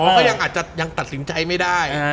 อ๋อก็ยังตัดสินใจไม่ได้